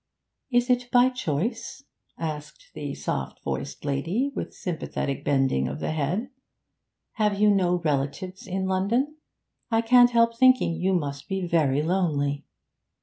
'Is it by choice?' asked the soft voiced lady, with sympathetic bending of the head. 'Have you no relations in London? I can't help thinking you must feel very lonely.'